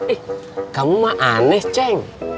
eh kamu mah aneh ceng